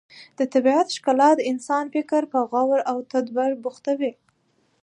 د طبیعت ښکلا د انسان فکر په غور او تدبر بوختوي.